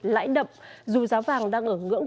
lãi đậm dù giá vàng đang ở ngưỡng